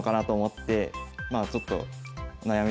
まあちょっと悩み